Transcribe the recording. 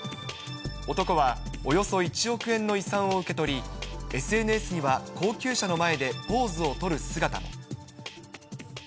男は、およそ１億円の遺産を受け取り、ＳＮＳには高級車の前でポーズを取る姿も。